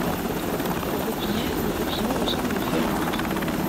Replié, le papillon ressemble à une feuille morte.